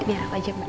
biar aku aja mbak